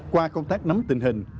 qua công tác nắm tình hình